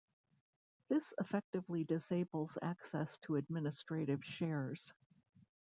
This effectively disables access to administrative shares.